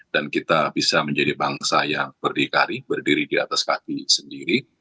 dan kita bisa menjadi bangsa yang berdikari berdiri di atas kaki sendiri